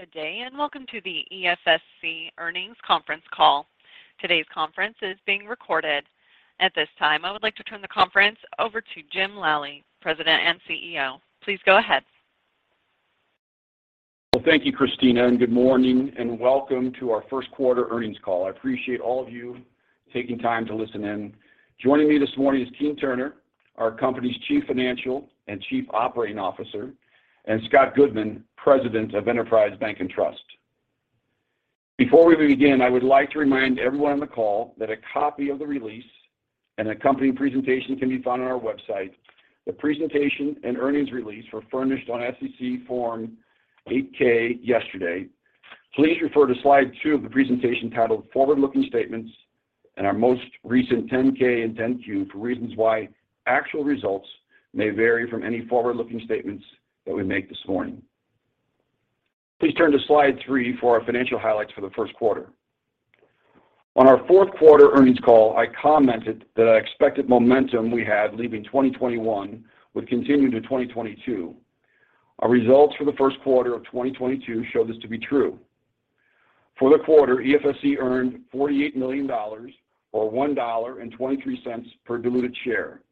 Good day, and welcome to the EFSC Earnings Conference Call. Today's conference is being recorded. At this time, I would like to turn the conference over to Jim Lally, President and CEO. Please go ahead. Well, thank you, Christina, and good morning and welcome to our first quarter earnings call. I appreciate all of you taking time to listen in. Joining me this morning is Keene Turner, our company's Chief Financial and Chief Operating Officer, and Scott Goodman, President of Enterprise Bank and Trust. Before we begin, I would like to remind everyone on the call that a copy of the release and accompanying presentation can be found on our website. The presentation and earnings release were furnished on SEC form 8-K yesterday. Please refer to slide two of the presentation titled Forward-Looking Statements and our most recent 10-K and 10-Q for reasons why actual results may vary from any forward-looking statements that we make this morning. Please turn to slide three for our financial highlights for the first quarter. On our fourth quarter earnings call, I commented that I expected momentum we had leaving 2021 would continue to 2022. Our results for the first quarter of 2022 show this to be true. For the quarter, EFSC earned $48 million or $1.23 per diluted share.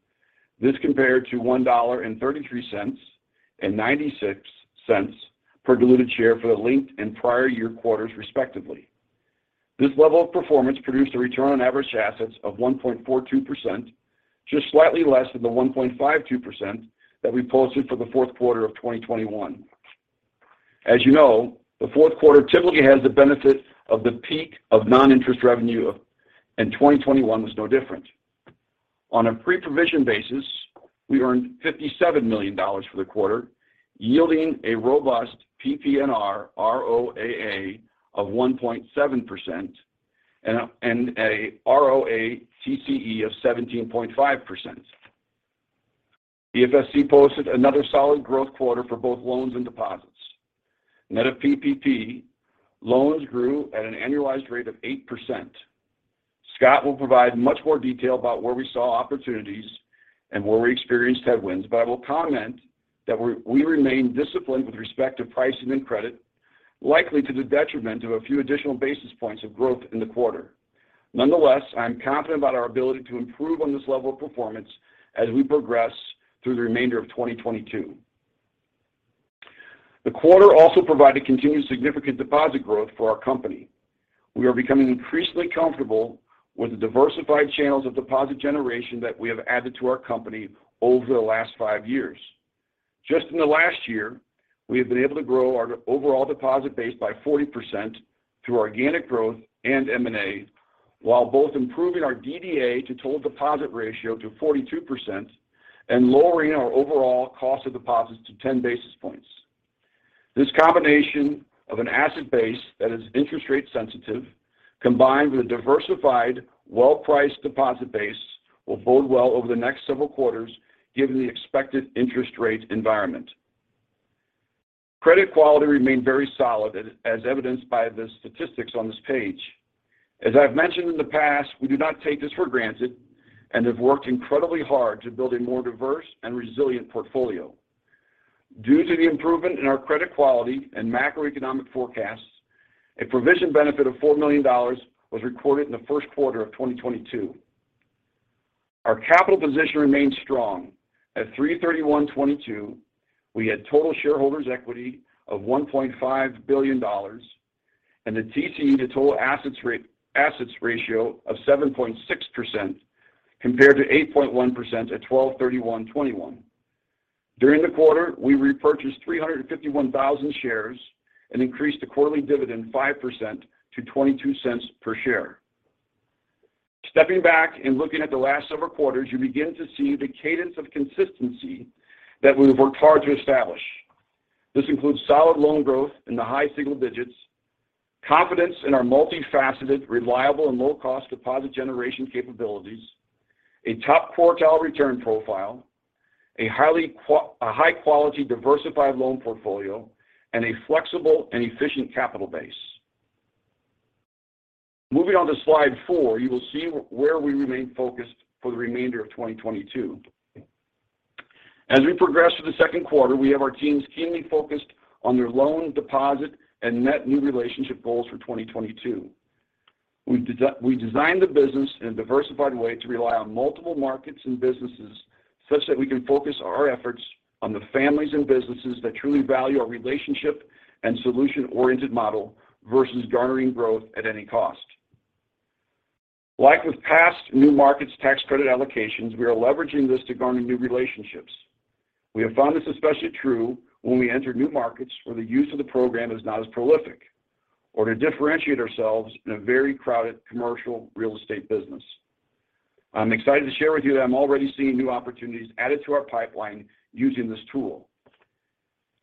This compared to $1.33 and $0.96 per diluted share for the linked and prior year quarters, respectively. This level of performance produced a return on average assets of 1.42%, just slightly less than the 1.52% that we posted for the fourth quarter of 2021. As you know, the fourth quarter typically has the benefit of the peak of non-interest revenue, and 2021 was no different. On a pre-provision basis, we earned $57 million for the quarter, yielding a robust PPNR ROAA of 1.7% and a ROATCE of 17.5%. EFSC posted another solid growth quarter for both loans and deposits. Net of PPP, loans grew at an annualized rate of 8%. Scott will provide much more detail about where we saw opportunities and where we experienced headwinds, but I will comment that we remain disciplined with respect to pricing and credit, likely to the detriment of a few additional basis points of growth in the quarter. Nonetheless, I am confident about our ability to improve on this level of performance as we progress through the remainder of 2022. The quarter also provided continued significant deposit growth for our company. We are becoming increasingly comfortable with the diversified channels of deposit generation that we have added to our company over the last five years. Just in the last year, we have been able to grow our overall deposit base by 40% through organic growth and M&A, while both improving our DDA to total deposit ratio to 42% and lowering our overall cost of deposits to 10 basis points. This combination of an asset base that is interest rate sensitive combined with a diversified, well-priced deposit base will bode well over the next several quarters given the expected interest rate environment. Credit quality remained very solid as evidenced by the statistics on this page. As I've mentioned in the past, we do not take this for granted and have worked incredibly hard to build a more diverse and resilient portfolio. Due to the improvement in our credit quality and macroeconomic forecasts, a provision benefit of $4 million was recorded in the first quarter of 2022. Our capital position remains strong. At 3/31/2022, we had total shareholders' equity of $1.5 billion and a TCE to total assets ratio of 7.6% compared to 8.1% at 12/31/2021. During the quarter, we repurchased 351,000 shares and increased the quarterly dividend 5% to $0.22 per share. Stepping back and looking at the last several quarters, you begin to see the cadence of consistency that we have worked hard to establish. This includes solid loan growth in the high single digits, confidence in our multifaceted, reliable, and low-cost deposit generation capabilities, a top quartile return profile, a high-quality, diversified loan portfolio, and a flexible and efficient capital base. Moving on to slide four, you will see where we remain focused for the remainder of 2022. As we progress through the second quarter, we have our teams keenly focused on their loan deposit and net new relationship goals for 2022. We designed the business in a diversified way to rely on multiple markets and businesses such that we can focus our efforts on the families and businesses that truly value our relationship and solution-oriented model versus garnering growth at any cost. Like with past New Markets Tax Credit allocations, we are leveraging this to garner new relationships. We have found this especially true when we enter new markets where the use of the program is not as prolific, or to differentiate ourselves in a very crowded commercial real estate business. I'm excited to share with you that I'm already seeing new opportunities added to our pipeline using this tool.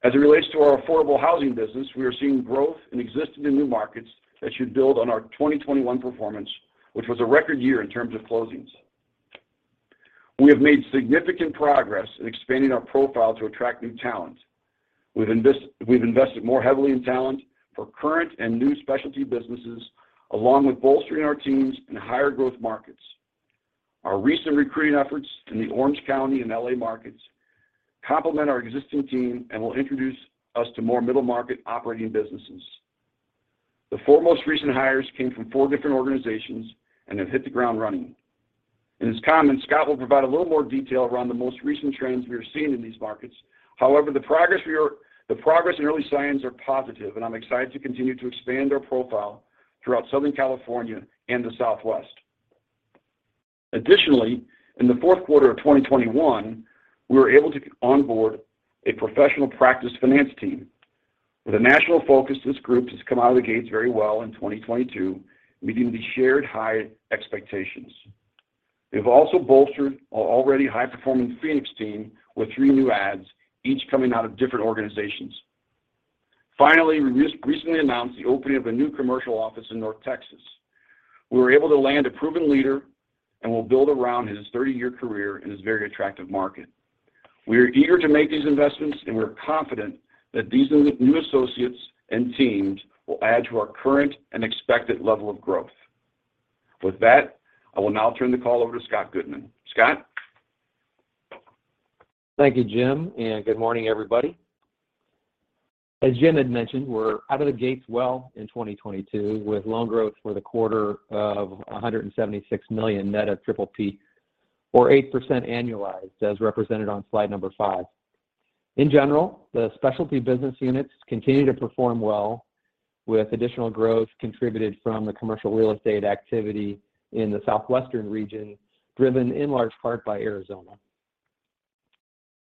As it relates to our affordable housing business, we are seeing growth in existing and new markets that should build on our 2021 performance, which was a record year in terms of closings. We have made significant progress in expanding our profile to attract new talent. We've invested more heavily in talent for current and new specialty businesses, along with bolstering our teams in higher growth markets. Our recent recruiting efforts in the Orange County and L.A. markets complement our existing team and will introduce us to more middle-market operating businesses. The four most recent hires came from four different organizations and have hit the ground running. As common, Scott will provide a little more detail around the most recent trends we are seeing in these markets. However, the progress and early signs are positive, and I'm excited to continue to expand our profile throughout Southern California and the Southwest. Additionally, in the fourth quarter of 2021, we were able to onboard a professional practice finance team. With a national focus, this group has come out of the gates very well in 2022, meeting the shared high expectations. We've also bolstered our already high-performing Phoenix team with three new adds, each coming out of different organizations. Finally, we recently announced the opening of a new commercial office in North Texas. We were able to land a proven leader and will build around his 30-year career in this very attractive market. We are eager to make these investments, and we're confident that these new associates and teams will add to our current and expected level of growth. With that, I will now turn the call over to Scott Goodman. Scott? Thank you, Jim, and good morning, everybody. As Jim had mentioned, we're out of the gates well in 2022, with loan growth for the quarter of $176 million net of PPP or 8% annualized, as represented on slide number five. In general, the specialty business units continue to perform well with additional growth contributed from the commercial real estate activity in the southwestern region, driven in large part by Arizona.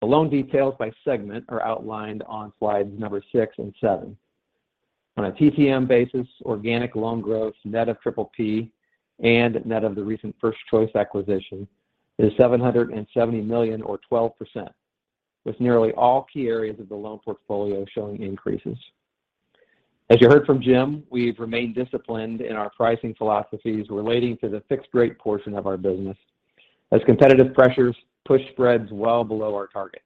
The loan details by segment are outlined on slides numbers six and seven. On a TTM basis, organic loan growth, net of PPP and net of the recent First Choice acquisition, is $770 million or 12%, with nearly all key areas of the loan portfolio showing increases. As you heard from Jim, we've remained disciplined in our pricing philosophies relating to the fixed rate portion of our business as competitive pressures push spreads well below our targets.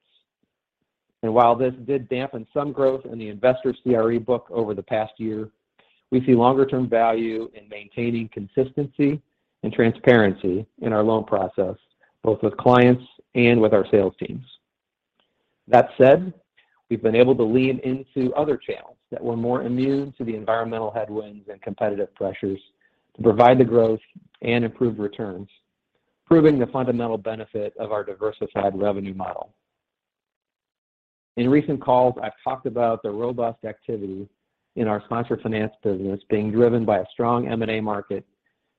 While this did dampen some growth in the investor CRE book over the past year, we see longer-term value in maintaining consistency and transparency in our loan process, both with clients and with our sales teams. That said, we've been able to lean into other channels that were more immune to the environmental headwinds and competitive pressures to provide the growth and improve returns, proving the fundamental benefit of our diversified revenue model. In recent calls, I've talked about the robust activity in our sponsor finance business being driven by a strong M&A market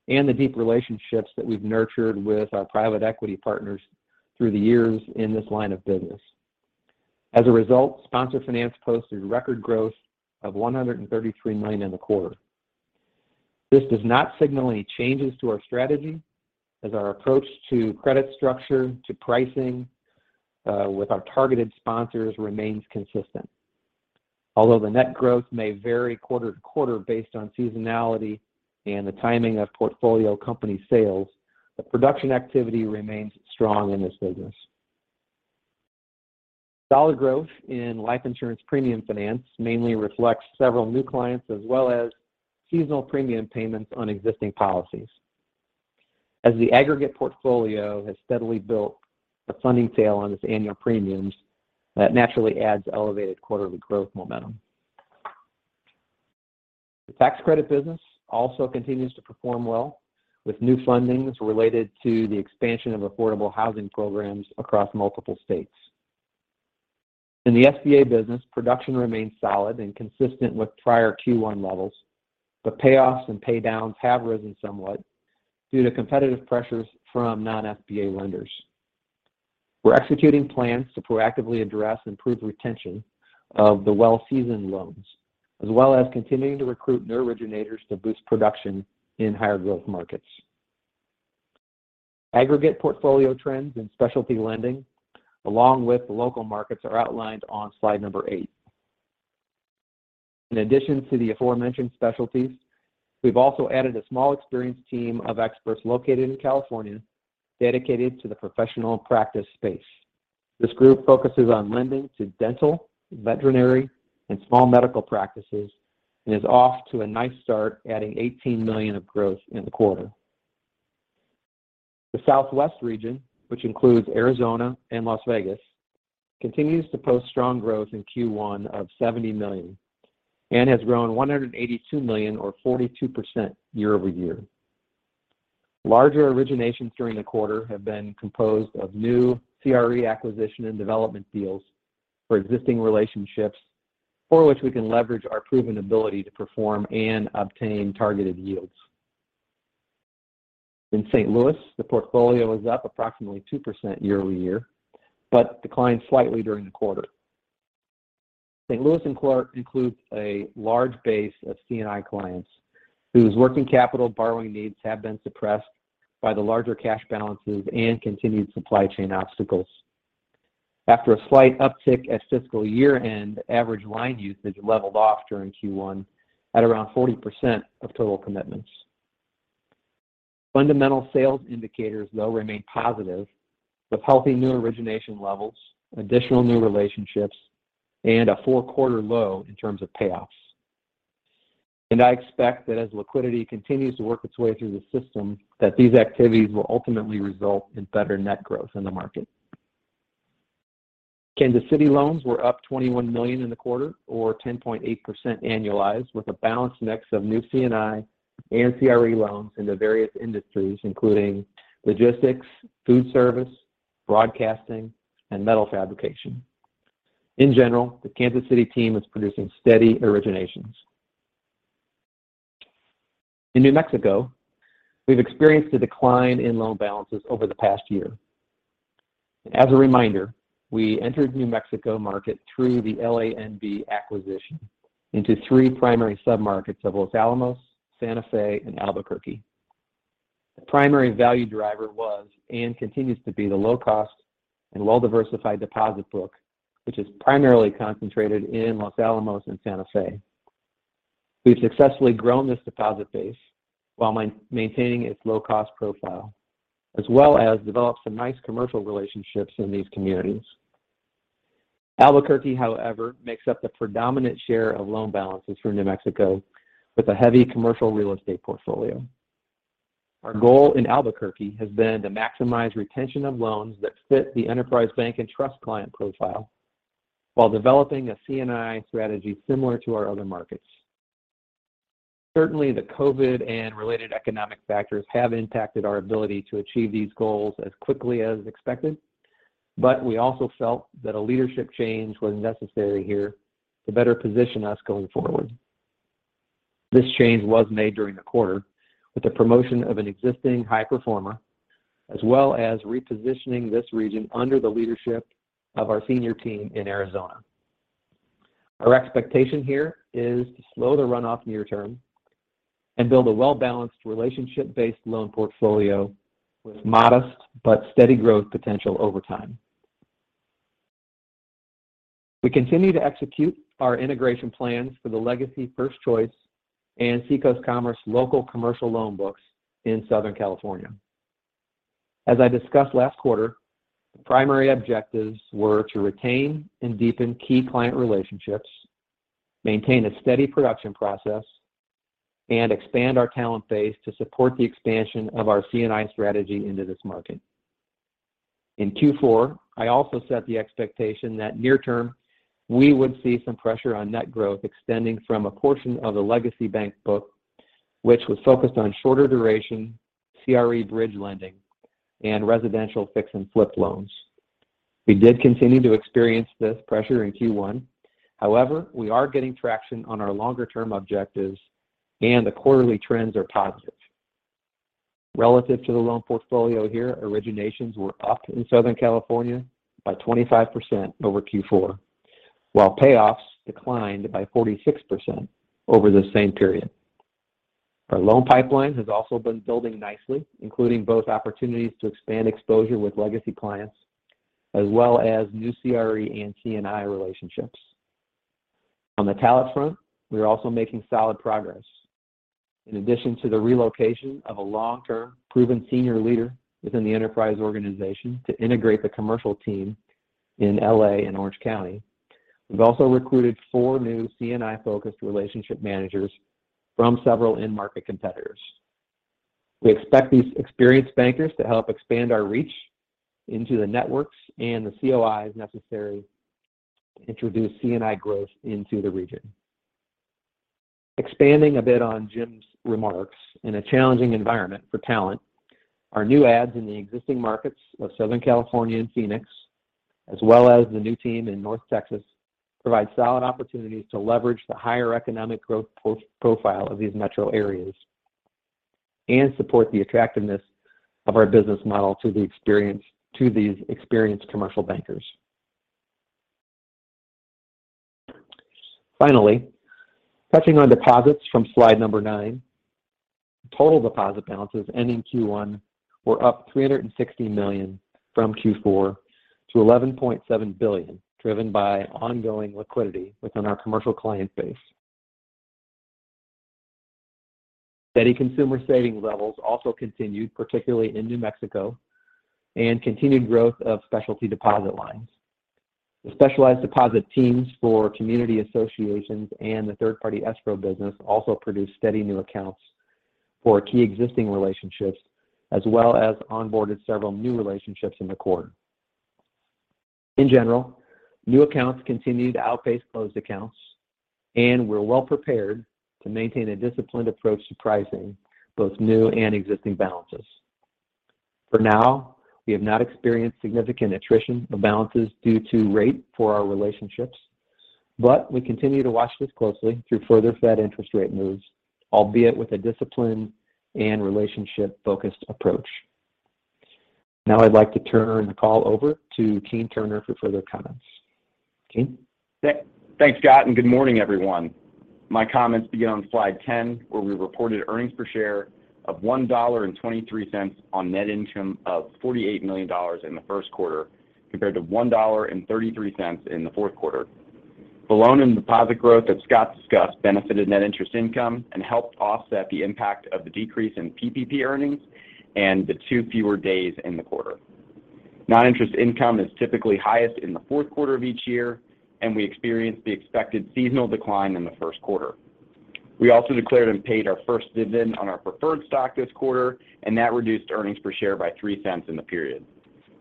and the deep relationships that we've nurtured with our private equity partners through the years in this line of business. As a result, sponsor finance posted record growth of $133 million in the quarter. This does not signal any changes to our strategy as our approach to credit structure, to pricing, with our targeted sponsors remains consistent. Although the net growth may vary quarter to quarter based on seasonality and the timing of portfolio company sales, the production activity remains strong in this business. Solid growth in life insurance premium finance mainly reflects several new clients as well as seasonal premium payments on existing policies. As the aggregate portfolio has steadily built a funding tail on its annual premiums, that naturally adds elevated quarterly growth momentum. The tax credit business also continues to perform well with new fundings related to the expansion of affordable housing programs across multiple states. In the SBA business, production remains solid and consistent with prior Q1 levels, but payoffs and paydowns have risen somewhat due to competitive pressures from non-SBA lenders. We're executing plans to proactively address improved retention of the well-seasoned loans, as well as continuing to recruit new originators to boost production in higher growth markets. Aggregate portfolio trends and specialty lending, along with the local markets, are outlined on slide number eight. In addition to the aforementioned specialties, we've also added a small experienced team of experts located in California dedicated to the professional practice space. This group focuses on lending to dental, veterinary, and small medical practices and is off to a nice start, adding $18 million of growth in the quarter. The Southwest region, which includes Arizona and Las Vegas, continues to post strong growth in Q1 of $70 million and has grown $182 million or 42% year-over-year. Larger originations during the quarter have been composed of new CRE acquisition and development deals for existing relationships for which we can leverage our proven ability to perform and obtain targeted yields. In St. Louis, the portfolio is up approximately 2% year-over-year, but declined slightly during the quarter. St. Louis includes a large base of C&I clients whose working capital borrowing needs have been suppressed by the larger cash balances and continued supply chain obstacles. After a slight uptick at fiscal year-end, average line usage leveled off during Q1 at around 40% of total commitments. Fundamental sales indicators, though, remain positive with healthy new origination levels, additional new relationships, and a four-quarter low in terms of payoffs. I expect that as liquidity continues to work its way through the system, that these activities will ultimately result in better net growth in the market. Kansas City loans were up $21 million in the quarter, or 10.8% annualized, with a balanced mix of new C&I and CRE loans into various industries, including logistics, food service, broadcasting, and metal fabrication. In general, the Kansas City team is producing steady originations. In New Mexico, we've experienced a decline in loan balances over the past year. As a reminder, we entered the New Mexico market through the LANB acquisition into three primary submarkets of Los Alamos, Santa Fe, and Albuquerque. The primary value driver was, and continues to be, the low-cost and well-diversified deposit book, which is primarily concentrated in Los Alamos and Santa Fe. We've successfully grown this deposit base while maintaining its low-cost profile, as well as developed some nice commercial relationships in these communities. Albuquerque, however, makes up the predominant share of loan balances for New Mexico with a heavy commercial real estate portfolio. Our goal in Albuquerque has been to maximize retention of loans that fit the Enterprise Bank & Trust client profile while developing a C&I strategy similar to our other markets. Certainly, the COVID and related economic factors have impacted our ability to achieve these goals as quickly as expected, but we also felt that a leadership change was necessary here to better position us going forward. This change was made during the quarter with the promotion of an existing high performer, as well as repositioning this region under the leadership of our senior team in Arizona. Our expectation here is to slow the runoff near-term and build a well-balanced relationship-based loan portfolio with modest but steady growth potential over time. We continue to execute our integration plans for the legacy First Choice and Seacoast Commerce local commercial loan books in Southern California. As I discussed last quarter, the primary objectives were to retain and deepen key client relationships, maintain a steady production process, and expand our talent base to support the expansion of our C&I strategy into this market. In Q4, I also set the expectation that near-term, we would see some pressure on net growth extending from a portion of the legacy bank book, which was focused on shorter duration CRE bridge lending and residential fix and flip loans. We did continue to experience this pressure in Q1. However, we are getting traction on our longer-term objectives and the quarterly trends are positive. Relative to the loan portfolio here, originations were up in Southern California by 25% over Q4, while payoffs declined by 46% over the same period. Our loan pipeline has also been building nicely, including both opportunities to expand exposure with legacy clients, as well as new CRE and C&I relationships. On the talent front, we are also making solid progress. In addition to the relocation of a long-term proven senior leader within the Enterprise organization to integrate the commercial team in L.A. and Orange County, we've also recruited four new C&I-focused relationship managers from several in-market competitors. We expect these experienced bankers to help expand our reach into the networks and the COIs necessary to introduce C&I growth into the region. Expanding a bit on Jim's remarks, in a challenging environment for talent, our new adds in the existing markets of Southern California and Phoenix, as well as the new team in North Texas, provide solid opportunities to leverage the higher economic growth profile of these metro areas and support the attractiveness of our business model to these experienced commercial bankers. Finally, touching on deposits from slide number nine, total deposit balances ending Q1 were up $360 million from Q4 to $11.7 billion, driven by ongoing liquidity within our commercial client base. Steady consumer savings levels also continued, particularly in New Mexico, and continued growth of specialty deposit lines. The specialized deposit teams for community associations and the third-party escrow business also produced steady new accounts for key existing relationships, as well as onboarded several new relationships in the quarter. In general, new accounts continue to outpace closed accounts, and we're well prepared to maintain a disciplined approach to pricing both new and existing balances. For now, we have not experienced significant attrition of balances due to rates for our relationships, but we continue to watch this closely through further Fed interest rate moves, albeit with a disciplined and relationship-focused approach. Now I'd like to turn the call over to Keene Turner for further comments. Keene? Thanks, Scott, and good morning, everyone. My comments begin on slide 10, where we reported earnings per share of $1.23 on net income of $48 million in the first quarter, compared to $1.33 in the fourth quarter. The loan and deposit growth that Scott discussed benefited net interest income and helped offset the impact of the decrease in PPP earnings and the two fewer days in the quarter. Non-interest income is typically highest in the fourth quarter of each year, and we experienced the expected seasonal decline in the first quarter. We also declared and paid our first dividend on our preferred stock this quarter, and that reduced earnings per share by $0.3 In the period.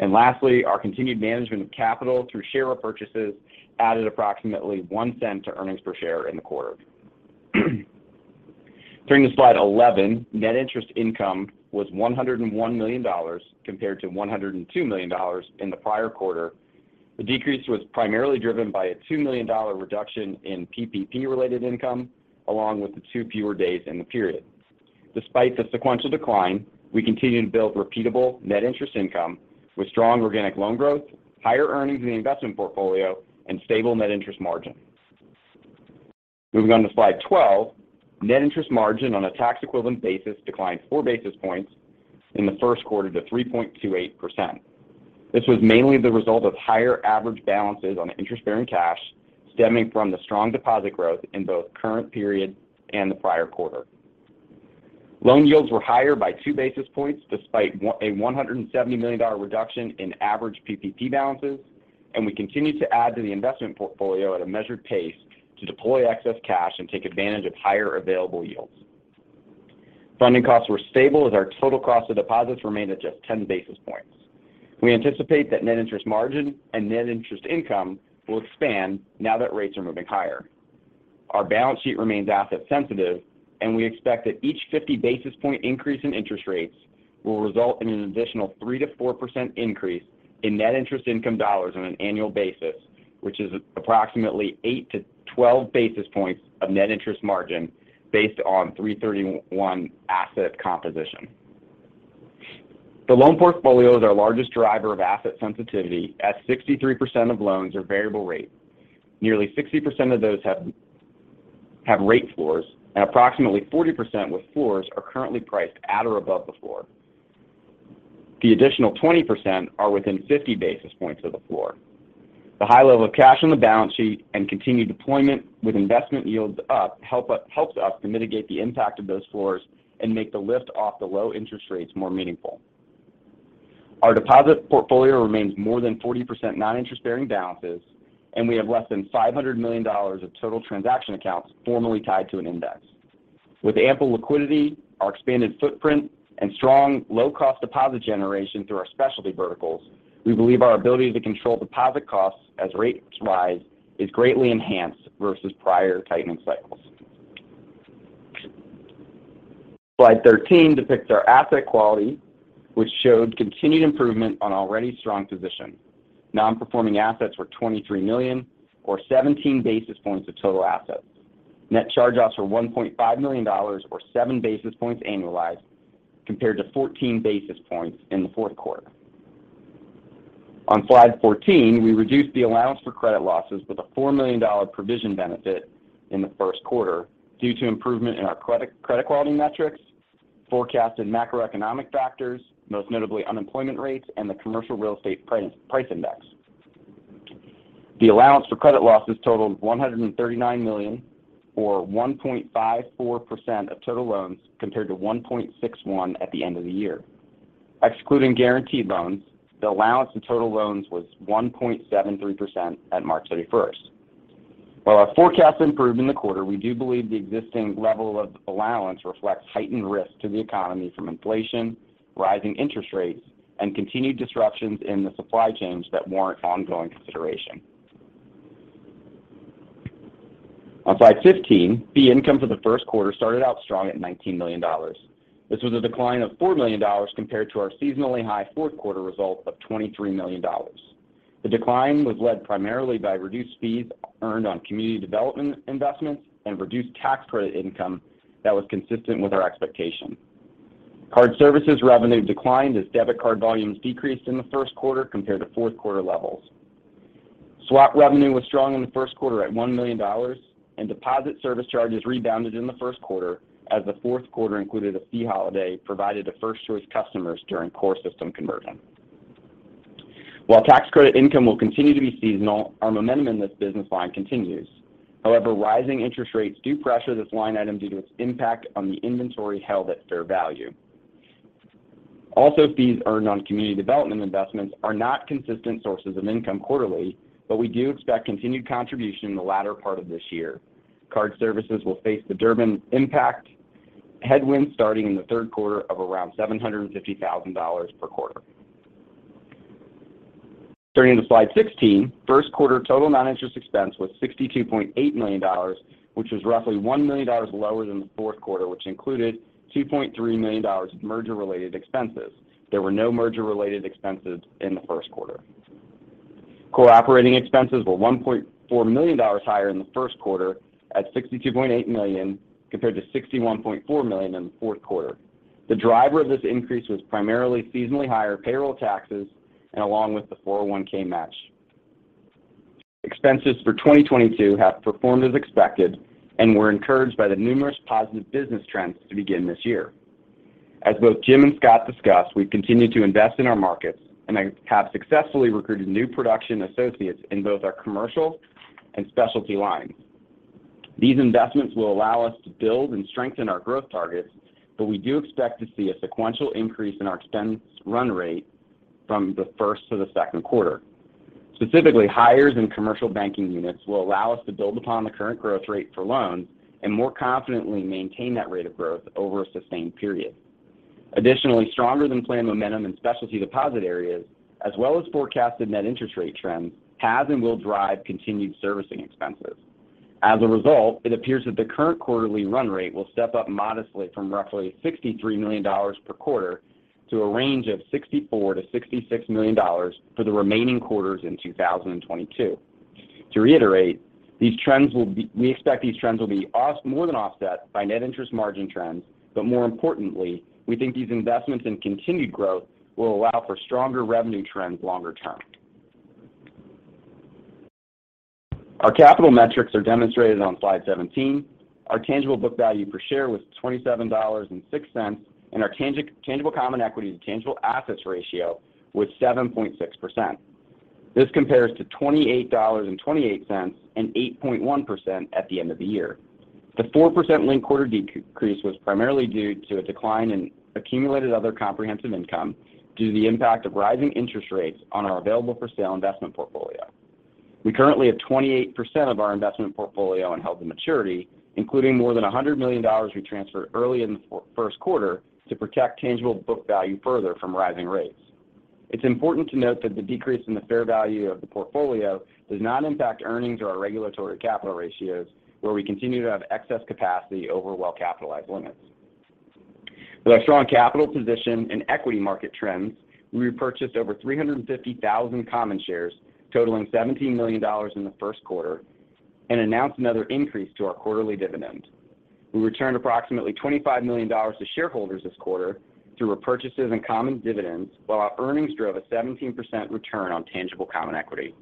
Lastly, our continued management of capital through share repurchases added approximately $0.1 to earnings per share in the quarter. Turning to slide 11, net interest income was $101 million compared to $102 million in the prior quarter. The decrease was primarily driven by a $2 million reduction in PPP-related income, along with the two fewer days in the period. Despite the sequential decline, we continue to build repeatable net interest income with strong organic loan growth, higher earnings in the investment portfolio, and stable net interest margin. Moving on to slide 12, net interest margin on a tax equivalent basis declined four basis points in the first quarter to 3.28%. This was mainly the result of higher average balances on interest-bearing cash stemming from the strong deposit growth in both current period and the prior quarter. Loan yields were higher by two basis points despite a $170 million reduction in average PPP balances, and we continued to add to the investment portfolio at a measured pace to deploy excess cash and take advantage of higher available yields. Funding costs were stable as our total cost of deposits remained at just 10 basis points. We anticipate that net interest margin and net interest income will expand now that rates are moving higher. Our balance sheet remains asset sensitive, and we expect that each 50 basis point increase in interest rates will result in an additional 3%-4% increase in net interest income dollars on an annual basis, which is approximately 8-12 basis points of net interest margin based on 3/31 asset composition. The loan portfolio is our largest driver of asset sensitivity as 63% of loans are variable rate. Nearly 60% of those have rate floors, and approximately 40% with floors are currently priced at or above the floor. The additional 20% are within 50 basis points of the floor. The high level of cash on the balance sheet and continued deployment with investment yields up helps us to mitigate the impact of those floors and make the lift off the low interest rates more meaningful. Our deposit portfolio remains more than 40% non-interest-bearing balances, and we have less than $500 million of total transaction accounts formally tied to an index. With ample liquidity, our expanded footprint, and strong low-cost deposit generation through our specialty verticals, we believe our ability to control deposit costs as rates rise is greatly enhanced versus prior tightening cycles. Slide 13 depicts our asset quality, which showed continued improvement on already strong position. Non-performing assets were $23 million or 17 basis points of total assets. Net charge-offs were $1.5 million or seven basis points annualized compared to 14 basis points in the fourth quarter. On slide 14, we reduced the allowance for credit losses with a $4 million provision benefit in the first quarter due to improvement in our credit quality metrics, forecasted macroeconomic factors, most notably unemployment rates and the commercial real estate price index. The allowance for credit losses totaled $139 million or 1.54% of total loans compared to 1.61% at the end of the year. Excluding guaranteed loans, the allowance in total loans was 1.73% at March 31st. While our forecast improved in the quarter, we do believe the existing level of allowance reflects heightened risk to the economy from inflation, rising interest rates, and continued disruptions in the supply chains that warrant ongoing consideration. On slide 15, fee income for the first quarter started out strong at $19 million. This was a decline of $4 million compared to our seasonally high fourth quarter result of $23 million. The decline was led primarily by reduced fees earned on community development investments and reduced tax credit income that was consistent with our expectation. Card services revenue declined as debit card volumes decreased in the first quarter compared to fourth quarter levels. Swap revenue was strong in the first quarter at $1 million, and deposit service charges rebounded in the first quarter as the fourth quarter included a fee holiday provided to First Choice customers during core system conversion. While tax credit income will continue to be seasonal, our momentum in this business line continues. However, rising interest rates do pressure this line item due to its impact on the inventory held at fair value. Also, fees earned on community development investments are not consistent sources of income quarterly, but we do expect continued contribution in the latter part of this year. Card services will face the Durbin impact headwind starting in the third quarter of around $750,000 per quarter. Turning to slide 16, first quarter total non-interest expense was $62.8 million, which was roughly $1 million lower than the fourth quarter, which included $2.3 million of merger-related expenses. There were no merger-related expenses in the first quarter. Core operating expenses were $1.4 million higher in the first quarter at $62.8 million compared to $61.4 million in the fourth quarter. The driver of this increase was primarily seasonally higher payroll taxes and along with the 401(k) match. Expenses for 2022 have performed as expected and we were encouraged by the numerous positive business trends to begin this year. As both Jim and Scott discussed, we've continued to invest in our markets and have successfully recruited new production associates in both our commercial and specialty lines. These investments will allow us to build and strengthen our growth targets, but we do expect to see a sequential increase in our expense run rate from the first to the second quarter. Specifically, hires in commercial banking units will allow us to build upon the current growth rate for loans and more confidently maintain that rate of growth over a sustained period. Additionally, stronger than planned momentum in specialty deposit areas as well as forecasted net interest rate trends has and will drive continued servicing expenses. As a result, it appears that the current quarterly run rate will step up modestly from roughly $63 million per quarter to a range of $64 million-$66 million for the remaining quarters in 2022. To reiterate, we expect these trends will be more than offset by net interest margin trends, but more importantly, we think these investments in continued growth will allow for stronger revenue trends longer term. Our capital metrics are demonstrated on slide 17. Our tangible book value per share was $27.06, and our tangible common equity to tangible assets ratio was 7.6%. This compares to $28.28 and 8.1% at the end of the year. The 4% linked quarter decrease was primarily due to a decline in accumulated other comprehensive income due to the impact of rising interest rates on our available-for-sale investment portfolio. We currently have 28% of our investment portfolio on held to maturity, including more than $100 million we transferred early in the first quarter to protect tangible book value further from rising rates. It's important to note that the decrease in the fair value of the portfolio does not impact earnings or our regulatory capital ratios, where we continue to have excess capacity over well-capitalized limits. With our strong capital position and equity market trends, we repurchased over 350,000 common shares, totaling $17 million in the first quarter, and announced another increase to our quarterly dividend. We returned approximately $25 million to shareholders this quarter through repurchases and common dividends, while our earnings drove a 17% return on tangible common equity.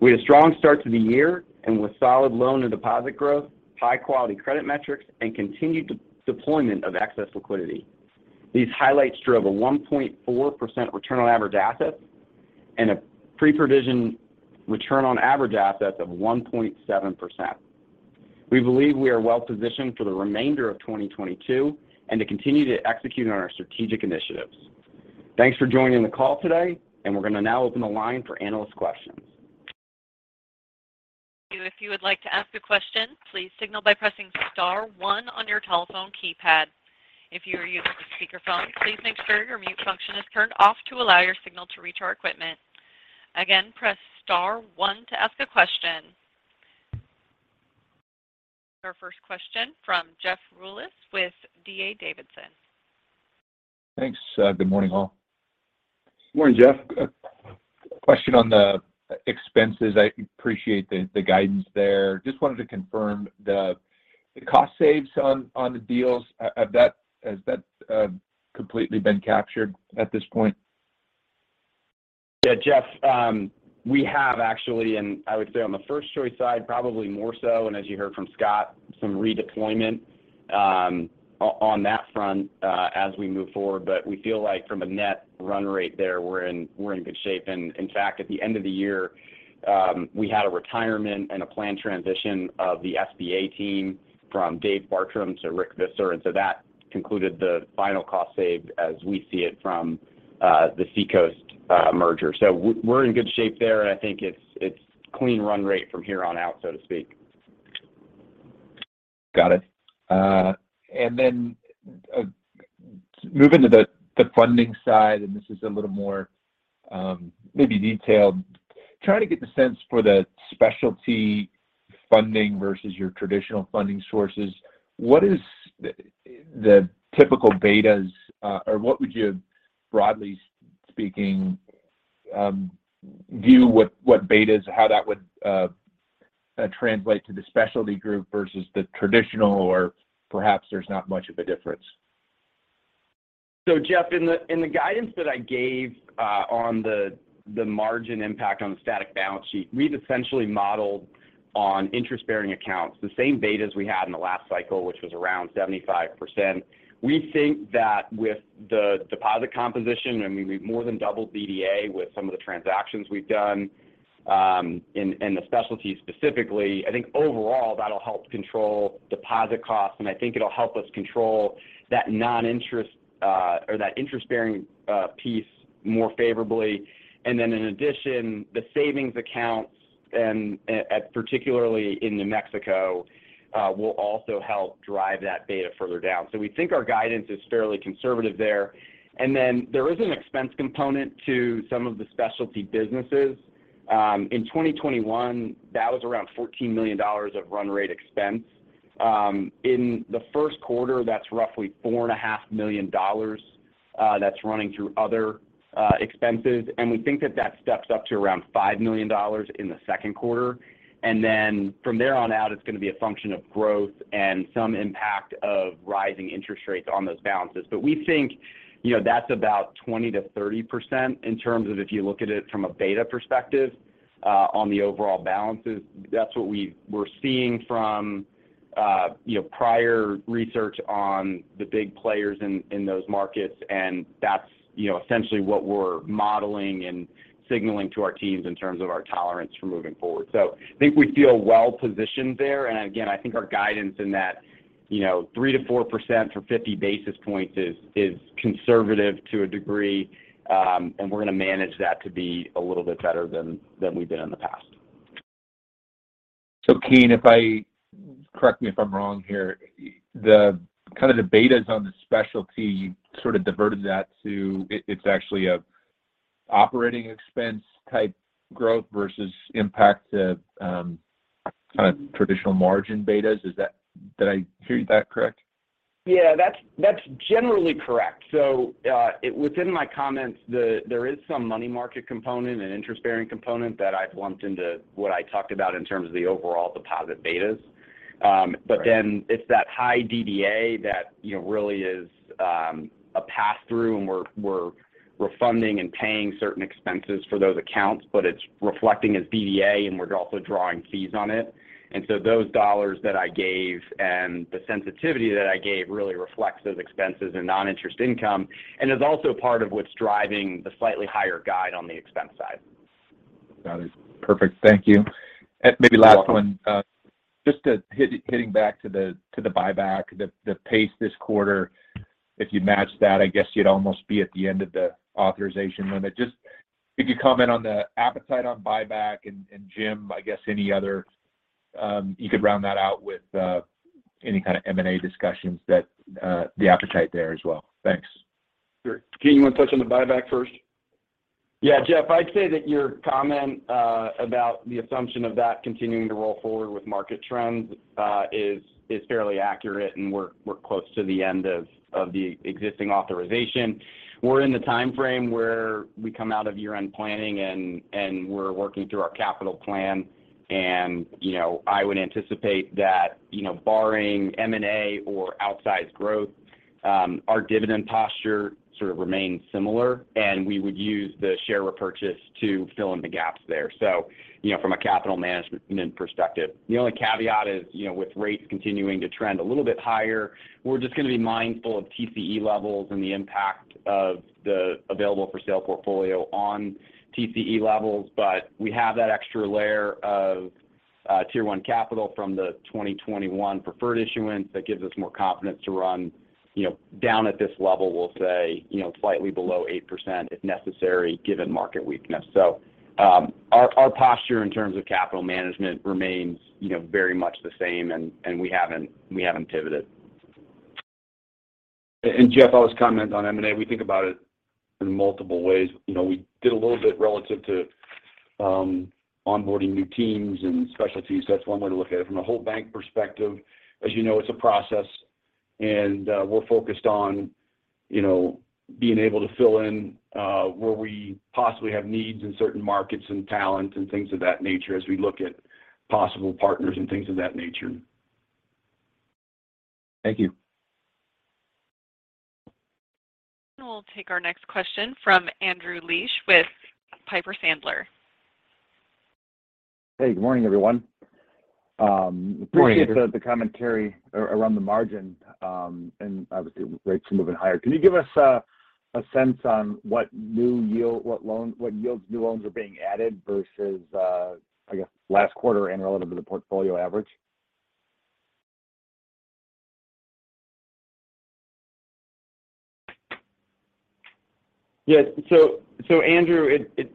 We had a strong start to the year and with solid loan and deposit growth, high-quality credit metrics, and continued de-deployment of excess liquidity. These highlights drove a 1.4% return on average assets and a pre-provision return on average assets of 1.7%. We believe we are well positioned for the remainder of 2022 and to continue to execute on our strategic initiatives. Thanks for joining the call today, and we're gonna now open the line for analyst questions. If you would like to ask a question, please signal by pressing star one on your telephone keypad. If you are using a speakerphone, please make sure your mute function is turned off to allow your signal to reach our equipment. Again, press star one to ask a question. Our first question from Jeff Rulis with D.A. Davidson. Thanks. Good morning, all. Morning, Jeff. Question on the expenses. I appreciate the guidance there. Just wanted to confirm the cost savings on the deals. Has that completely been captured at this point? Yeah, Jeff, we have actually, and I would say on the First Choice side, probably more so, and as you heard from Scott, some redeployment, on that front, as we move forward. We feel like from a net run rate there we're in good shape. In fact, at the end of the year, we had a retirement and a planned transition of the SBA team from David Bartram to Rick Visser. That concluded the final cost save as we see it from the Seacoast merger. We're in good shape there, and I think it's clean run rate from here on out, so to speak. Got it. Moving to the funding side, and this is a little more maybe detailed. Trying to get the sense for the specialty funding versus your traditional funding sources, what is the typical betas, or what would you, broadly speaking, view what betas, how that would translate to the specialty group versus the traditional, or perhaps there's not much of a difference? Jeff, in the guidance that I gave, on the margin impact on the static balance sheet, we've essentially modeled on interest-bearing accounts the same betas we had in the last cycle, which was around 75%. We think that with the deposit composition, I mean, we've more than doubled DDA with some of the transactions we've done, in the specialty specifically. I think overall that'll help control deposit costs, and I think it'll help us control that non-interest, or that interest-bearing, piece more favorably. In addition, the savings accounts and, particularly in New Mexico, will also help drive that beta further down. We think our guidance is fairly conservative there. There is an expense component to some of the specialty businesses. In 2021, that was around $14 million of run rate expense. In the first quarter, that's roughly four and a half million dollars that's running through other expenses. We think that steps up to around $5 million in the second quarter. Then from there on out, it's gonna be a function of growth and some impact of rising interest rates on those balances. We think, you know, that's about 20%-30% in terms of if you look at it from a beta perspective on the overall balances. That's what we're seeing from prior research on the big players in those markets, and that's, you know, essentially what we're modeling and signaling to our teams in terms of our tolerance for moving forward. I think we feel well-positioned there. I think our guidance in that, you know, 3%-4% for 50 basis points is conservative to a degree, and we're gonna manage that to be a little bit better than we've been in the past. Keene, correct me if I'm wrong here. The kind of the betas on the specialty, you sort of diverted that to it's actually a operating expense type growth versus impact to, kind of traditional margin betas. Did I hear that correct? Yeah. That's generally correct. Within my comments there is some money market component and interest-bearing component that I've lumped into what I talked about in terms of the overall deposit betas. Right It's that high DDA that, you know, really is a pass-through, and we're funding and paying certain expenses for those accounts. It's reflecting as DDA, and we're also drawing fees on it. Those dollars that I gave and the sensitivity that I gave really reflects those expenses and non-interest income, and is also part of what's driving the slightly higher guide on the expense side. Got it. Perfect. Thank you. You're welcome. Maybe last one. Getting back to the buyback. The pace this quarter, if you match that, I guess you'd almost be at the end of the authorization limit. Just if you could comment on the appetite on buyback. Jim, I guess any other you could round that out with any kind of M&A discussions that the appetite there as well. Thanks. Sure. Keene, you want to touch on the buyback first? Yeah. Jeff, I'd say that your comment about the assumption of that continuing to roll forward with market trends is fairly accurate, and we're close to the end of the existing authorization. We're in the timeframe where we come out of year-end planning and we're working through our capital plan. You know, I would anticipate that, you know, barring M&A or outsized growth, our dividend posture sort of remains similar, and we would use the share repurchase to fill in the gaps there. You know, from a capital management perspective, the only caveat is, you know, with rates continuing to trend a little bit higher, we're just gonna be mindful of TCE levels and the impact of the available-for-sale portfolio on TCE levels. We have that extra layer of Tier 1 capital from the 2021 preferred issuance that gives us more confidence to run, you know, down at this level, we'll say, you know, slightly below 8% if necessary, given market weakness. Our posture in terms of capital management remains, you know, very much the same and we haven't pivoted. Jeff, I'll just comment on M&A. We think about it in multiple ways. You know, we did a little bit relative to onboarding new teams and specialties. So that's one way to look at it. From a whole bank perspective, as you know, it's a process, and we're focused on, you know, being able to fill in where we possibly have needs in certain markets and talent and things of that nature as we look at possible partners and things of that nature. Thank you. We'll take our next question from Andrew Liesch with Piper Sandler. Hey, good morning, everyone. Good morning, Andrew. Appreciate the commentary around the margin, and obviously with rates moving higher. Can you give us a sense on what yields new loans are being added versus, I guess, last quarter and relative to the portfolio average? Yeah. So Andrew,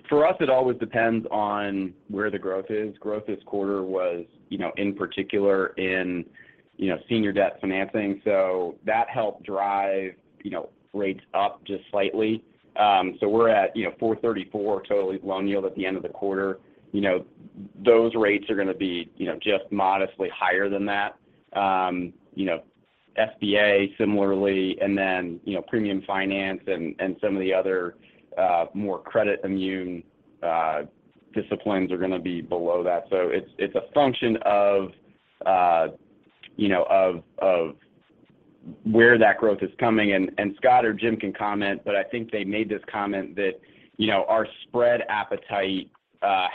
for us, it always depends on where the growth is. Growth this quarter was, you know, in particular in, you know, senior debt financing. So that helped drive, you know, rates up just slightly. So we're at, you know, 4.34 total loan yield at the end of the quarter. You know, those rates are gonna be, you know, just modestly higher than that. You know, SBA similarly, and then, you know, premium finance and some of the other, more credit immune disciplines are gonna be below that. So it's a function of, you know, of where that growth is coming. And Scott or Jim can comment, but I think they made this comment that, you know, our spread appetite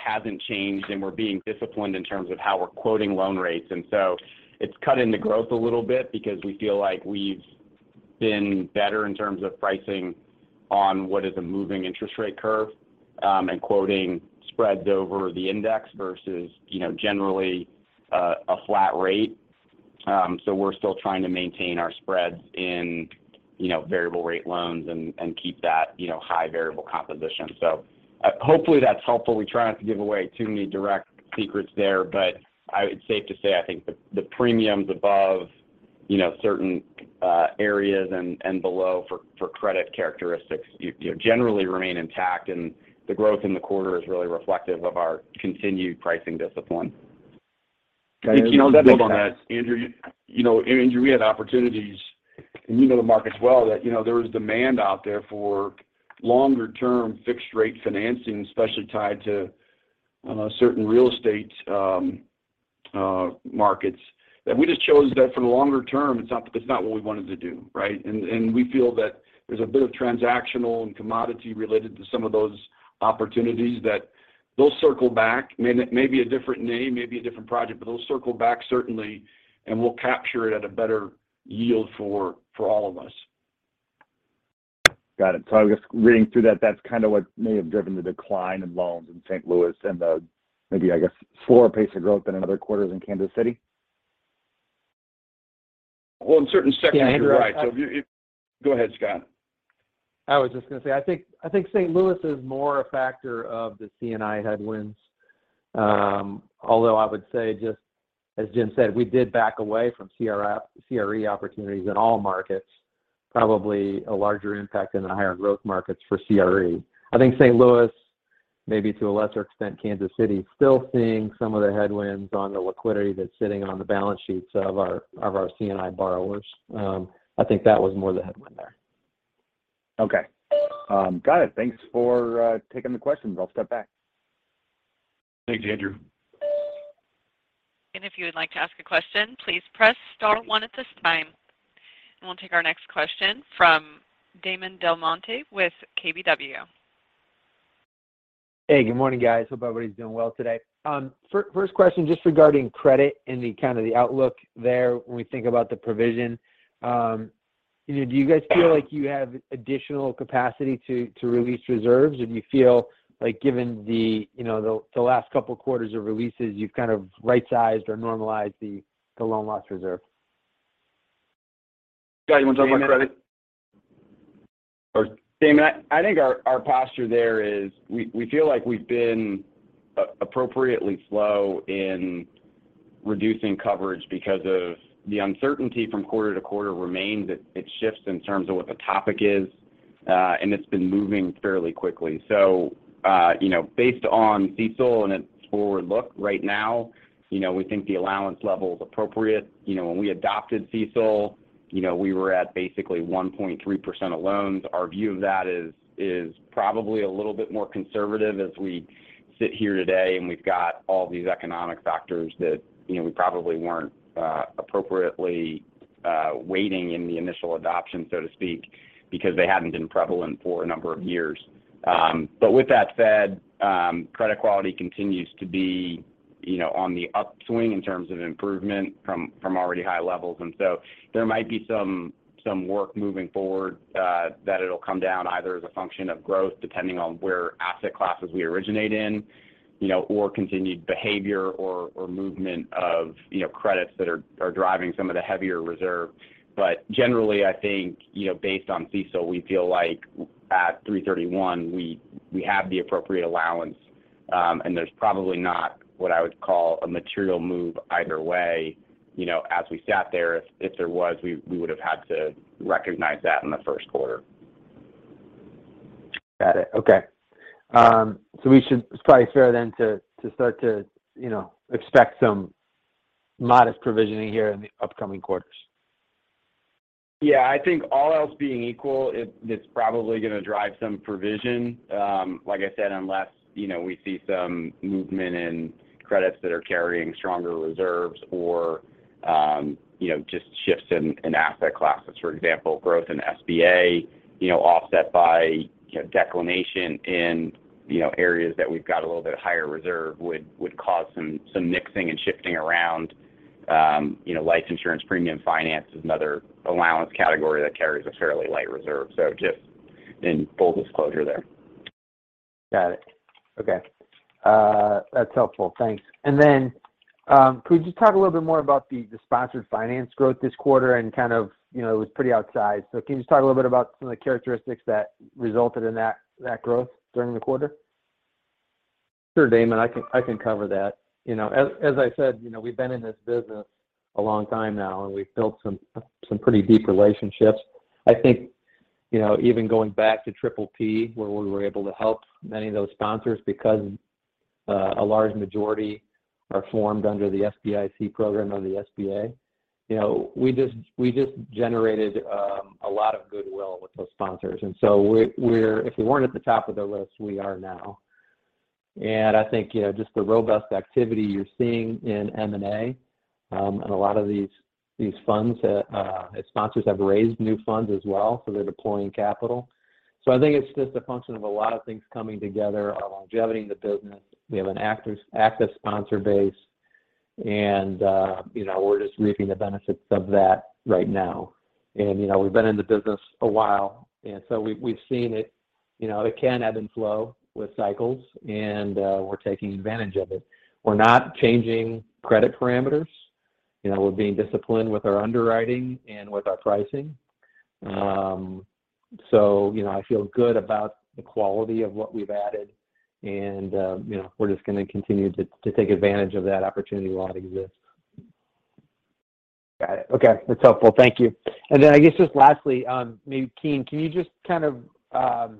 hasn't changed, and we're being disciplined in terms of how we're quoting loan rates. It's cutting the growth a little bit because we feel like we've been better in terms of pricing on what is a moving interest rate curve, and quoting spreads over the index versus, you know, generally, a flat rate. We're still trying to maintain our spreads in, you know, variable rate loans and keep that, you know, high variable composition. Hopefully that's helpful. We try not to give away too many direct secrets there. It's safe to say, I think the premiums above, you know, certain areas and below for credit characteristics generally remain intact. The growth in the quarter is really reflective of our continued pricing discipline. If I can just build on that, Andrew. You know, Andrew, we had opportunities, and you know the markets well, that you know there was demand out there for longer term fixed rate financing, especially tied to, I don't know, certain real estate markets that we just chose that for the longer term, it's not what we wanted to do, right? We feel that there's a bit of transactional and commodity related to some of those opportunities that they'll circle back. May be a different name, may be a different project, but they'll circle back certainly, and we'll capture it at a better yield for all of us. Got it. I guess reading through that's kind of what may have driven the decline in loans in St. Louis and the maybe I guess slower pace of growth than in other quarters in Kansas City. Well, in certain sectors, you're right. Yeah, Andrew. Go ahead, Scott. I was just gonna say, I think St. Louis is more a factor of the C&I headwinds. Although I would say, just as Jim said, we did back away from CRE opportunities in all markets, probably a larger impact in the higher growth markets for CRE. I think St. Louis, maybe to a lesser extent Kansas City, still seeing some of the headwinds on the liquidity that's sitting on the balance sheets of our C&I borrowers. I think that was more the headwind there. Okay. Got it. Thanks for taking the questions. I'll step back. Thanks, Andrew. If you would like to ask a question, please press star one at this time. We'll take our next question from Damon DelMonte with KBW. Hey, good morning, guys. Hope everybody's doing well today. First question just regarding credit and the kind of outlook there when we think about the provision. You know, do you guys feel like you have additional capacity to release reserves? Or do you feel like given the, you know, the last couple quarters of releases, you've kind of right-sized or normalized the loan loss reserve? Scott, you wanna talk about credit? Damon, I think our posture there is we feel like we've been appropriately slow in reducing coverage because of the uncertainty from quarter to quarter remains. It shifts in terms of what the topic is, and it's been moving fairly quickly. You know, based on CECL and its forward look right now, you know, we think the allowance level is appropriate. You know, when we adopted CECL, you know, we were at basically 1.3% of loans. Our view of that is probably a little bit more conservative as we sit here today, and we've got all these economic factors that, you know, we probably weren't appropriately weighting in the initial adoption, so to speak, because they hadn't been prevalent for a number of years. With that said, credit quality continues to be, you know, on the upswing in terms of improvement from already high levels. There might be some work moving forward that it'll come down either as a function of growth, depending on where asset classes we originate in, you know, or continued behavior or movement of, you know, credits that are driving some of the heavier reserve. Generally, I think, you know, based on CECL, we feel like at 3/31, we have the appropriate allowance, and there's probably not what I would call a material move either way, you know, as we sat there. If there was, we would've had to recognize that in the first quarter. Got it. Okay. It's probably fair then to start to, you know, expect some modest provisioning here in the upcoming quarters. Yeah. I think all else being equal, it's probably gonna drive some provision, like I said, unless, you know, we see some movement in credits that are carrying stronger reserves or, you know, just shifts in asset classes. For example, growth in SBA, you know, offset by, you know, decline in, you know, areas that we've got a little bit higher reserve would cause some mixing and shifting around. You know, life insurance, premium finance is another allowance category that carries a fairly light reserve. So just in full disclosure there. Got it. Okay. That's helpful. Thanks. Could you just talk a little bit more about the sponsored finance growth this quarter and kind of, you know, it was pretty outsized. Can you just talk a little bit about some of the characteristics that resulted in that growth during the quarter? Sure, Damon. I can cover that. You know, as I said, you know, we've been in this business a long time now, and we've built some pretty deep relationships. I think, you know, even going back to PPP where we were able to help many of those sponsors because a large majority are formed under the SBIC program under the SBA. You know, we just generated a lot of goodwill with those sponsors, and so, if we weren't at the top of their list, we are now. I think, you know, just the robust activity you're seeing in M&A, and a lot of these funds as sponsors have raised new funds as well, so they're deploying capital. I think it's just a function of a lot of things coming together, our longevity in the business. We have an active sponsor base and, you know, we're just reaping the benefits of that right now. You know, we've been in the business a while, and so we've seen it. You know, it can ebb and flow with cycles, and we're taking advantage of it. We're not changing credit parameters. You know, we're being disciplined with our underwriting and with our pricing. You know, I feel good about the quality of what we've added and, you know, we're just gonna continue to take advantage of that opportunity while it exists. Got it. Okay. That's helpful. Thank you. I guess just lastly, maybe Keene, can you just kind of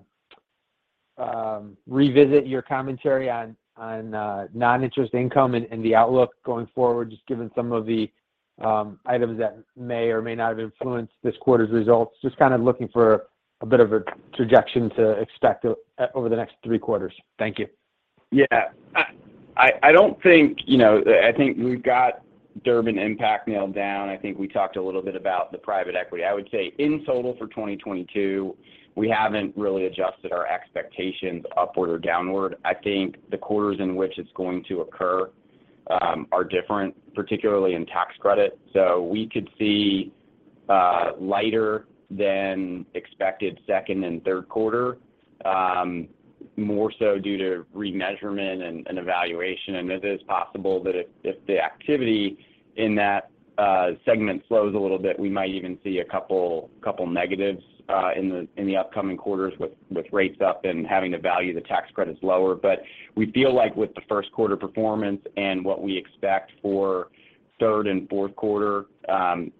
revisit your commentary on non-interest income and the outlook going forward, just given some of the items that may or may not have influenced this quarter's results? Just kind of looking for a bit of a trajectory to expect over the next three quarters. Thank you. Yeah. I don't think, you know, I think we've got Durbin impact nailed down. I think we talked a little bit about the private equity. I would say in total for 2022, we haven't really adjusted our expectations upward or downward. I think the quarters in which it's going to occur are different, particularly in tax credit. We could see lighter than expected second and third quarter, more so due to remeasurement and evaluation. It is possible that if the activity in that segment slows a little bit, we might even see a couple negatives in the upcoming quarters with rates up and having to value the tax credits lower. We feel like with the first quarter performance and what we expect for third and fourth quarter,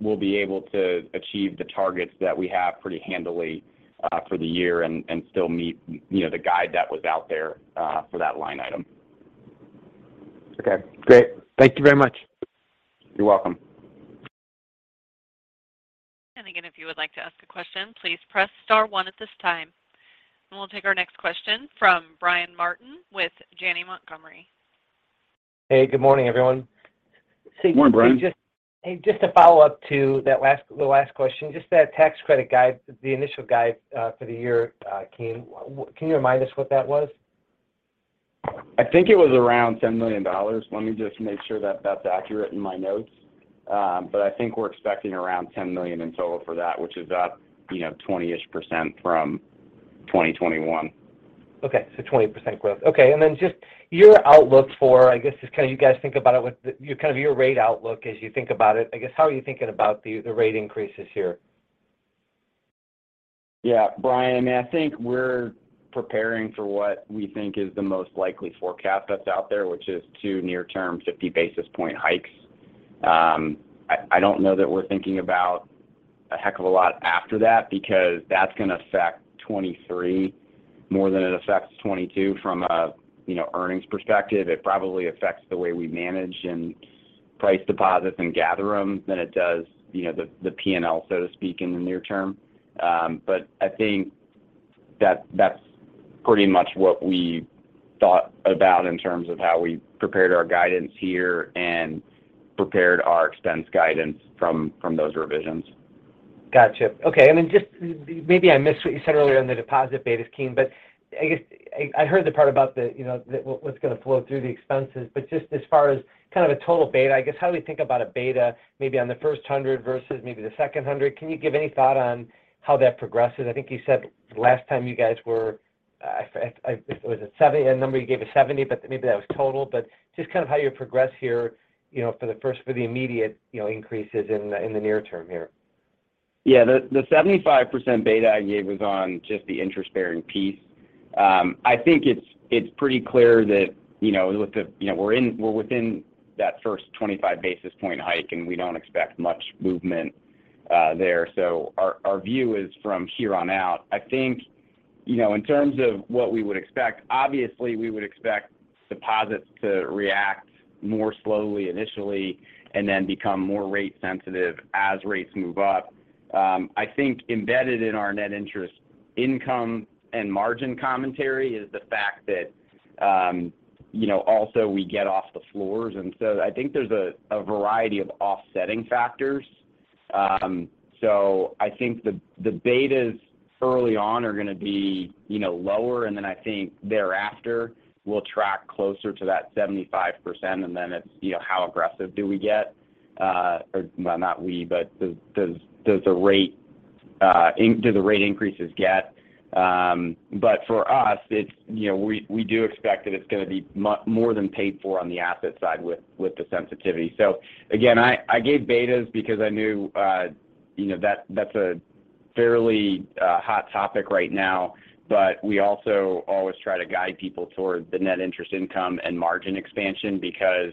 we'll be able to achieve the targets that we have pretty handily for the year and still meet, you know, the guide that was out there for that line item. Okay, great. Thank you very much. You're welcome. Again, if you would like to ask a question, please press star one at this time. We'll take our next question from Brian Martin with Janney Montgomery. Hey, good morning, everyone. Good morning, Brian. Hey, just a follow-up to that last question. Just that tax credit guide, the initial guide, for the year, Keene. Can you remind us what that was? I think it was around $10 million. Let me just make sure that that's accurate in my notes. I think we're expecting around $10 million in total for that, which is up, you know, 20-ish% from 2021. Okay. 20% growth. Okay. Then just your outlook for, I guess, just kind of you guys think about it kind of your rate outlook as you think about it. I guess, how are you thinking about the rate increases here? Yeah. Brian, I mean, I think we're preparing for what we think is the most likely forecast that's out there, which is two near-term 50 basis point hikes. I don't know that we're thinking about a heck of a lot after that because that's going to affect 2023 more than it affects 2022 from a, you know, earnings perspective. It probably affects the way we manage and price deposits and gather them than it does, you know, the P&L, so to speak, in the near term. I think that that's pretty much what we thought about in terms of how we prepared our guidance here and prepared our expense guidance from those revisions. Gotcha. Okay. I mean, just maybe I missed what you said earlier on the deposit betas, Keene, but I guess I heard the part about the, you know, the, what's going to flow through the expenses. Just as far as kind of a total beta, I guess, how do we think about a beta maybe on the first hundred versus maybe the second hundred? Can you give any thought on how that progresses? I think you said last time you guys were, I was it 70? A number you gave was 70, but maybe that was total. Just kind of how you progress here, you know, for the first, for the immediate, you know, increases in the, in the near term here. Yeah. The 75% beta I gave was on just the interest-bearing piece. I think it's pretty clear that, you know, with the, you know, we're within that first 25 basis point hike, and we don't expect much movement there. Our view is from here on out. I think, you know, in terms of what we would expect, obviously, we would expect deposits to react more slowly initially and then become more rate sensitive as rates move up. I think embedded in our net interest income and margin commentary is the fact that, you know, also we get off the floors. I think there's a variety of offsetting factors. I think the betas early on are going to be, you know, lower, and then I think thereafter, we'll track closer to that 75%, and then it's, you know, how aggressive do we get? Or well, not we, but does the rate increases get? For us, it's, you know, we do expect that it's going to be more than paid for on the asset side with the sensitivity. Again, I gave betas because I knew, you know, that's a fairly hot topic right now. We also always try to guide people toward the net interest income and margin expansion because,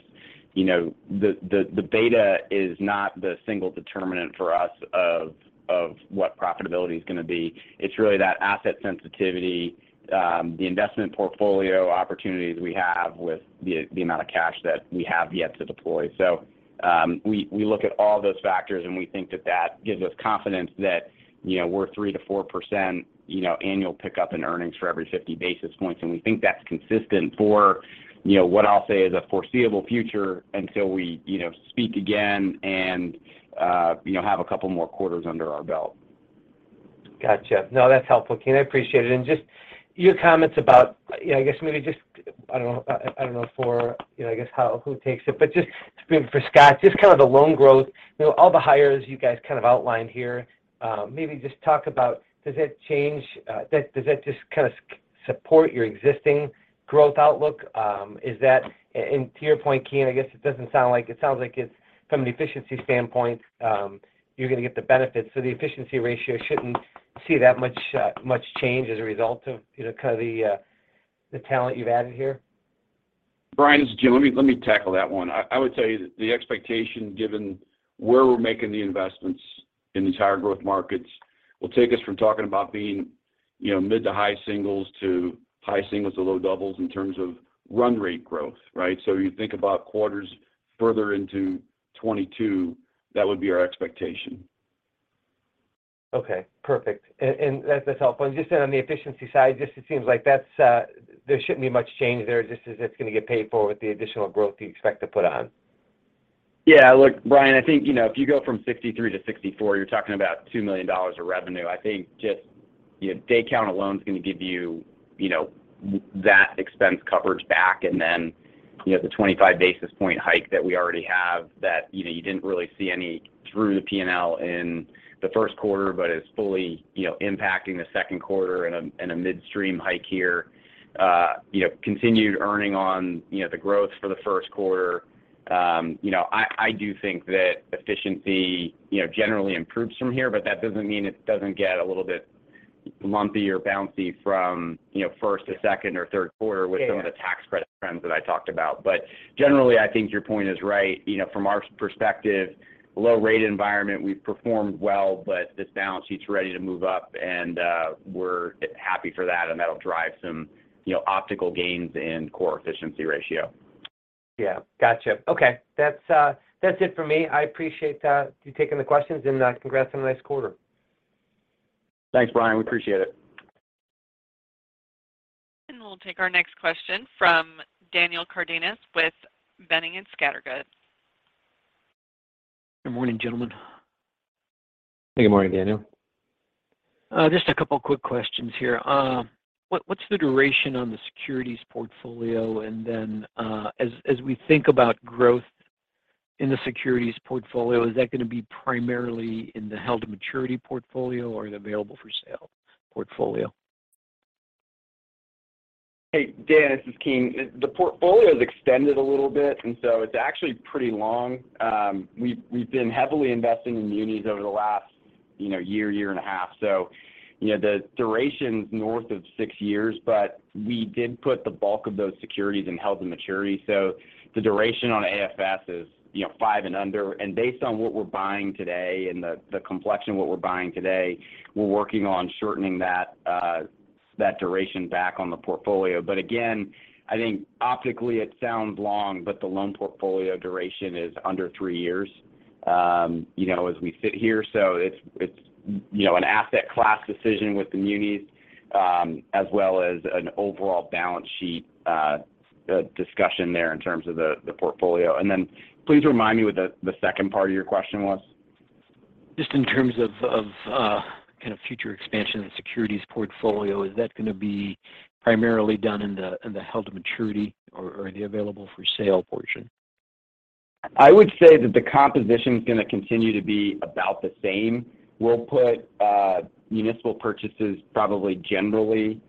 you know, the beta is not the single determinant for us of what profitability is going to be. It's really that asset sensitivity, the investment portfolio opportunities we have with the amount of cash that we have yet to deploy. We look at all those factors, and we think that gives us confidence that, you know, we're 3%-4% annual pickup in earnings for every 50 basis points. We think that's consistent for, you know, what I'll say is a foreseeable future until we, you know, speak again and, you know, have a couple more quarters under our belt. Gotcha. No, that's helpful, Keen. I appreciate it. Just your comments about you know, I guess maybe just, I don't know for, you know, I guess how, who takes it, but just maybe for Scott, just kind of the loan growth. You know, all the hires you guys kind of outlined here, maybe just talk about, does that change, does that just kind of support your existing growth outlook? Is that and to your point, Keen, I guess it sounds like it's from an efficiency standpoint, you're going to get the benefits, so the efficiency ratio shouldn't see that much change as a result of, you know, kind of the talent you've added here. Brian, this is Jim. Let me tackle that one. I would tell you that the expectation given where we're making the investments in these higher growth markets will take us from talking about being, you know, mid to high singles to high singles to low doubles in terms of run rate growth, right? You think about quarters further into 2022, that would be our expectation. Okay, perfect. That's helpful. Just on the efficiency side, just it seems like that's, there shouldn't be much change there. Just as it's gonna get paid for with the additional growth you expect to put on. Yeah. Look, Brian, I think, you know, if you go from 63-64, you're talking about $2 million of revenue. I think just, you know, day count alone is gonna give you know, that expense coverage back. You know, the 25 basis point hike that we already have that, you know, you didn't really see any through the P&L in the first quarter, but is fully, you know, impacting the second quarter and a midstream hike here. You know, continued earning on, you know, the growth for the first quarter. You know, I do think that efficiency, you know, generally improves from here, but that doesn't mean it doesn't get a little bit lumpy or bouncy from, you know, first to second or third quarter. Yeah With some of the tax credit trends that I talked about. Generally, I think your point is right. You know, from our perspective, low rate environment, we've performed well, but this balance sheet's ready to move up and, we're happy for that, and that'll drive some, you know, optical gains in core efficiency ratio. Yeah. Gotcha. Okay. That's it for me. I appreciate you taking the questions, and congrats on a nice quarter. Thanks, Brian. We appreciate it. We'll take our next question from Daniel Cardenas with Boenning & Scattergood. Good morning, gentlemen. Hey, good morning, Daniel. Just a couple quick questions here. What's the duration on the securities portfolio? As we think about growth in the securities portfolio, is that gonna be primarily in the held-to-maturity portfolio or in the available-for-sale portfolio? Hey, Dan, this is Keene. The portfolio's extended a little bit, and so it's actually pretty long. We've been heavily investing in munis over the last, you know, year and a half. So, you know, the duration's north of six years. But we did put the bulk of those securities in held to maturity. So the duration on AFS is, you know, five and under. And based on what we're buying today and the complexion of what we're buying today, we're working on shortening that duration back on the portfolio. But again, I think optically it sounds long, but the loan portfolio duration is under three years, you know, as we sit here. It's you know an asset class decision with the munis as well as an overall balance sheet discussion there in terms of the portfolio. Please remind me what the second part of your question was. Just in terms of kind of future expansion of the securities portfolio, is that gonna be primarily done in the held to maturity or the available for sale portion? I would say that the composition's gonna continue to be about the same. We'll put municipal purchases probably generally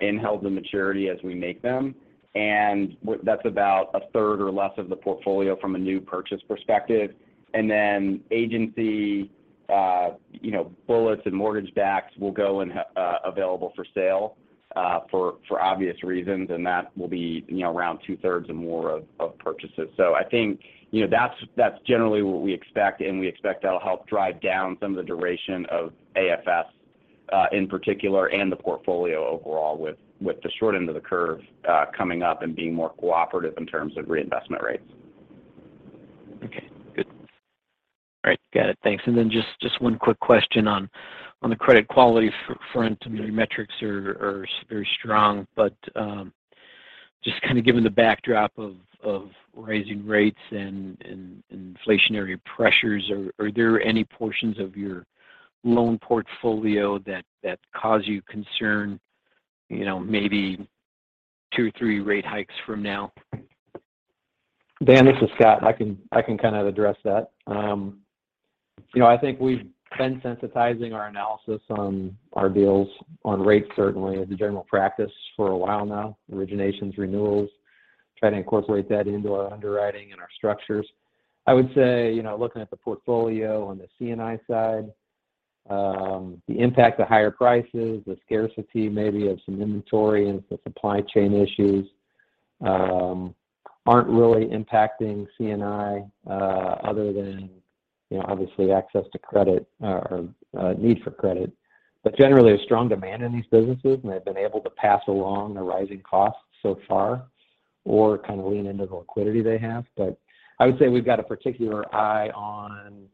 in held to maturity as we make them, and that's about a third or less of the portfolio from a new purchase perspective. Agency, you know, bullets and mortgage backs will go in available for sale for obvious reasons. That will be, you know, around two-thirds or more of purchases. I think, you know, that's generally what we expect, and we expect that'll help drive down some of the duration of AFS in particular, and the portfolio overall with the short end of the curve coming up and being more cooperative in terms of reinvestment rates. Okay. Good. All right. Got it. Thanks. Just one quick question on the credit quality front. I mean, your metrics are very strong, but just kind of given the backdrop of raising rates and inflationary pressures, are there any portions of your loan portfolio that cause you concern, you know, maybe two, three rate hikes from now? Dan, this is Scott. I can kind of address that. You know, I think we've been sensitizing our analysis on our deals on rates certainly as a general practice for a while now, originations, renewals, try to incorporate that into our underwriting and our structures. I would say, you know, looking at the portfolio on the C&I side, the impact of higher prices, the scarcity maybe of some inventory and the supply chain issues, aren't really impacting C&I, other than, you know, obviously access to credit or need for credit. Generally a strong demand in these businesses, and they've been able to pass along the rising costs so far or kind of lean into the liquidity they have. I would say we've got a particular eye on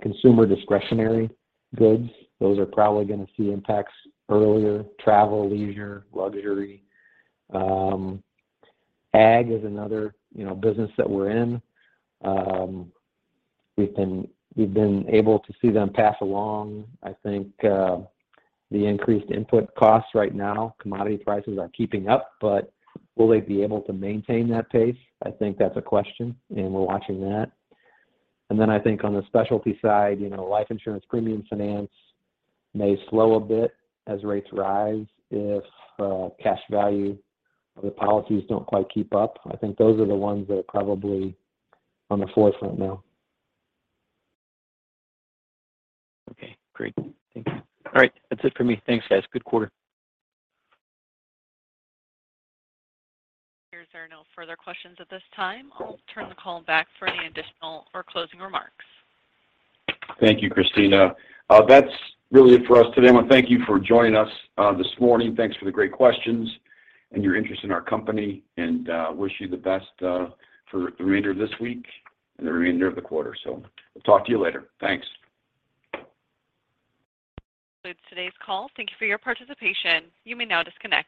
consumer discretionary goods. Those are probably gonna see impacts earlier. Travel, leisure, luxury. Ag is another, you know, business that we're in. We've been able to see them pass along, I think, the increased input costs right now. Commodity prices are keeping up, but will they be able to maintain that pace? I think that's a question, and we're watching that. I think on the specialty side, you know, life insurance premium finance may slow a bit as rates rise if cash value or the policies don't quite keep up. I think those are the ones that are probably on the forefront now. Okay, great. Thank you. All right. That's it for me. Thanks, guys. Good quarter. There are no further questions at this time. I'll turn the call back for any additional or closing remarks. Thank you, Christina. That's really it for us today. I wanna thank you for joining us this morning. Thanks for the great questions and your interest in our company, and wish you the best for the remainder of this week and the remainder of the quarter. We'll talk to you later. Thanks. This concludes today's call. Thank you for your participation. You may now disconnect.